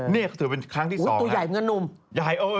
นี่เขาถือเป็นครั้งที่สองนะครับอุ้ยตัวใหญ่เหมือนกับหนุ่ม